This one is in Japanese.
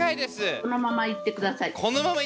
そのままいってください。